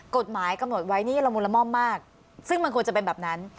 กฎหมายกำหนดไว้นี่ละมุนละม่อมมากซึ่งมันควรจะเป็นแบบนั้น